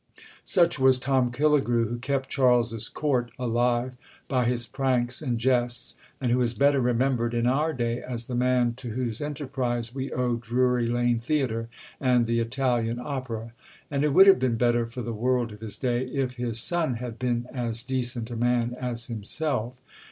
Such was Tom Killigrew who kept Charles's Court alive by his pranks and jests, and who is better remembered in our day as the man to whose enterprise we owe Drury Lane Theatre and the Italian Opera; and it would have been better for the world of his day if his son had been as decent a man as himself.